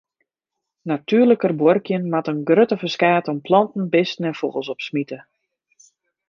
Natuerliker buorkjen moat in grutter ferskaat oan planten, bisten en fûgels opsmite.